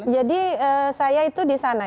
jadi saya itu disana